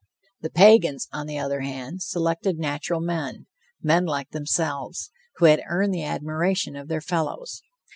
The Pagans, on the other hand, selected natural men, men like themselves, who had earned the admiration of their fellows.